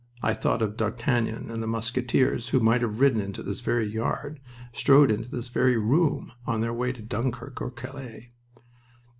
I thought of D'Artagnan and the Musketeers who might have ridden into this very yard, strode into this very room, on their way to Dunkirk or Calais.